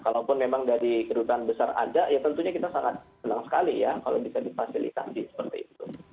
kalaupun memang dari kedutaan besar ada ya tentunya kita sangat senang sekali ya kalau bisa difasilitasi seperti itu